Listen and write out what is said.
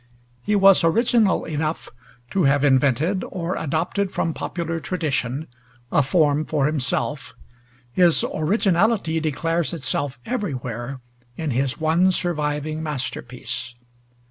He was original enough to have invented, or adopted from popular tradition, a form for himself; his originality declares itself everywhere in his one surviving masterpiece.